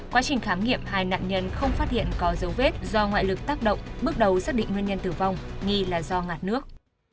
quá trình khám nghiệm hai nạn nhân không phát hiện có dấu vết do ngoại lực tác động bước đầu xác định nguyên nhân tử vong nghi là do ngạt nước